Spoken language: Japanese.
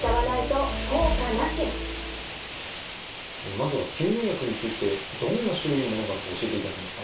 まずは吸入薬についてどんな種類のものがあるか教えていただけますか。